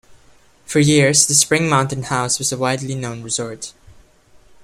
For years the Spring Mountain House was a widely known resort.